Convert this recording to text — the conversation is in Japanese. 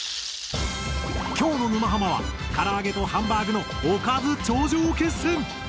今日の「沼ハマ」はから揚げとハンバーグのおかず頂上決戦！